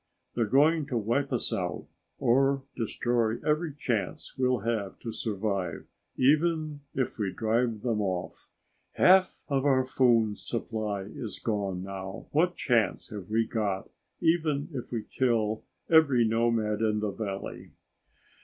"They're going to wipe us out, or destroy every chance we'll have to survive even if we drive them off. Half of our food supply is gone now. What chance have we got even if we kill every nomad in the valley?"